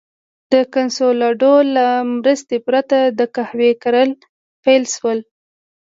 د کنسولاډو له مرستې پرته د قهوې کرل پیل شول.